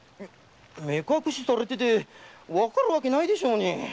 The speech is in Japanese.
目隠しされててわかるわけないでしょうに。